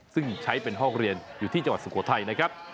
ซึ่งใช้เป็นห้องเรียนอยู่ที่จังหวัดสุโขทัยนะครับ